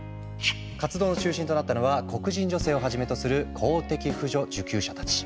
活動の中心となったのは黒人女性をはじめとする公的扶助受給者たち。